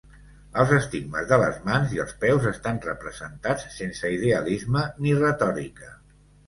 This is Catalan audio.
Els estigmes de les mans i els peus estan representats sense idealisme ni retòrica.